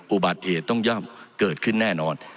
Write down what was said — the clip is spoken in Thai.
อุบัติเหตุต้องย่อมเกิดขึ้นแน่นอน